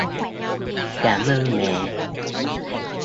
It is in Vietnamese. Cảm ơn mẹ